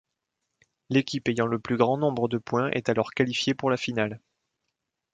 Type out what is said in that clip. L'équipe ayant le plus grand nombre de points est alors qualifiée pour la finale.